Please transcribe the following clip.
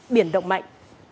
biển động mạnh